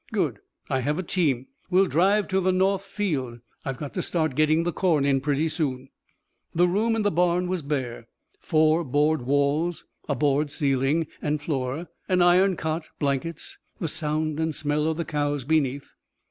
"Good. I have a team. We'll drive to the north field. I've got to start getting the corn in pretty soon." The room in the barn was bare: four board walls, a board ceiling and floor, an iron cot, blankets, the sound and smell of the cows beneath.